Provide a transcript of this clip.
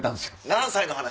何歳の話？